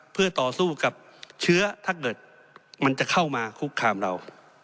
เพื่อต่อสู้กับเชื้อถ้าเกิดมันจะเข้ามาคุกคามเรา